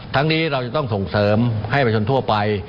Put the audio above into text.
นี้เราจะต้องส่งเสริมให้ประชาชนทั่วไป